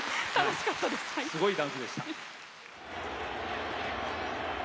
すごいダンスでした。